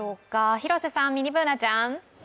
広瀬さん、ミニＢｏｏｎａちゃん。